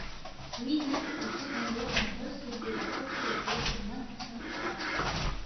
Ruinés les Ferron devront recéder la propriété aux moines de Sainte Croix.